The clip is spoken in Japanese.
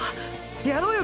やろうよ